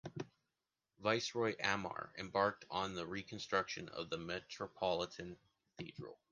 Viceroy Amar embarked on the reconstruction of the Metropolitan Cathedral.